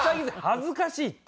恥ずかしいって。